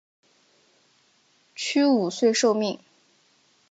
屈武遂受命。